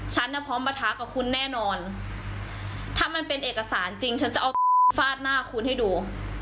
ฉันน่ะพร้อมประทะกับคุณแน่นอนถ้ามันเป็นเอกสารจริงฉันจะเอาฟาดหน้าคุณให้ดู